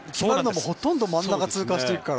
ほとんど真ん中を通過していくから。